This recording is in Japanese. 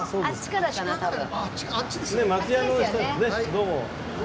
どうも。